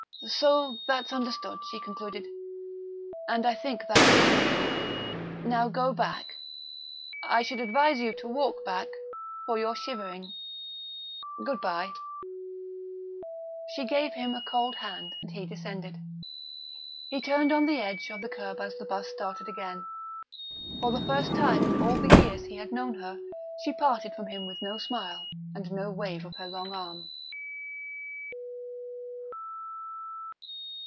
"So that's understood," she concluded. "And I think that's all. Now go back. I should advise you to walk back, for you're shivering good bye " She gave him a cold hand, and he descended. He turned on the edge of the kerb as the bus started again. For the first time in all the years he had known her she parted from him with no smile and no wave of her long arm.